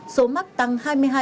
số mắc tăng hai mươi hai bốn